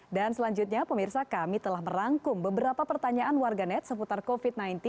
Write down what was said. dan selanjutnya pemirsa kami telah merangkum beberapa pertanyaan warganet seputar kofit